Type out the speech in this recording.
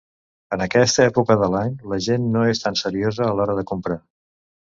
En aquesta època de l'any, la gent no és tan seriosa a l'hora de comprar.